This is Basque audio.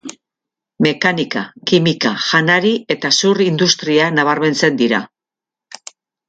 Mekanika, kimika, janari eta zur industria nabarmentzen dira.